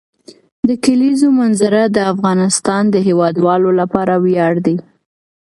د کلیزو منظره د افغانستان د هیوادوالو لپاره ویاړ دی.